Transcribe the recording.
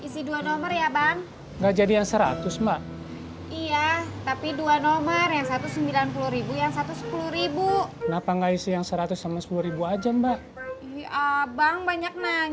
sampai jumpa di video selanjutnya